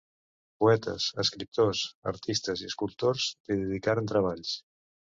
Poetes, escriptors, artistes i escultors li dedicaren treballs.